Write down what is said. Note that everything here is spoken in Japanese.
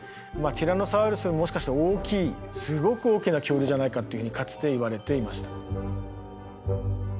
ティラノサウルスよりもしかして大きいすごく大きな恐竜じゃないかっていうふうにかつていわれていました。